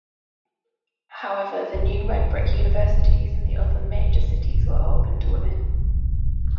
However the new redbrick universities and the other major cities were open to women.